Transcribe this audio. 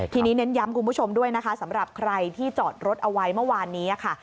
ทีนี้เน้นย้ำคุณผู้ชมด้วยนะคะสำหรับใครที่จอดรถเอาไว้เมื่อวานนี้ค่ะ